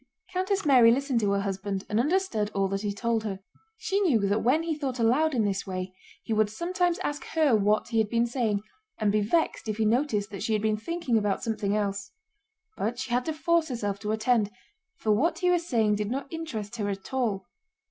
Countess Mary listened to her husband and understood all that he told her. She knew that when he thought aloud in this way he would sometimes ask her what he had been saying, and be vexed if he noticed that she had been thinking about something else. But she had to force herself to attend, for what he was saying did not interest her at all.